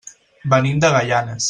Venim de Gaianes.